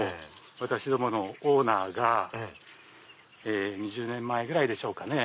私どものオーナーが２０年前ぐらいでしょうかね。